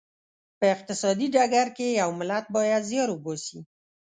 په اقتصادي ډګر کې یو ملت باید زیار وباسي.